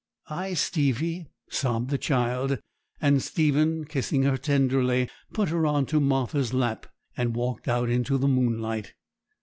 'Ay, Stevie,' sobbed the child; and Stephen, kissing her tenderly, put her on to Martha's lap, and walked out into the moonlight.